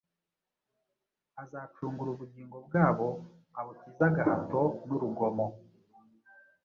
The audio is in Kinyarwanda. Azacungura ubugingo bwabo abukize agahato n’urugomo;